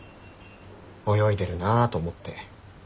泳いでるなぁと思って。